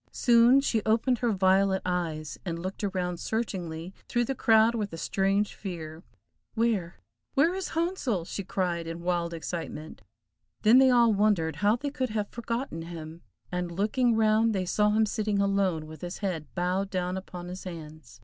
Soon she opened her violet eyes, and looked around searchingly through the crowd with a strange fear. "Where, where, is Handsel?" she cried, in wild excitement. Then they all wondered how they could have forgotten him, and looking round they saw him sitting alone, with his head bowed down upon his hands.